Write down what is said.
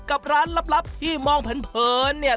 กับร้านลับที่มองเผินเนี่ย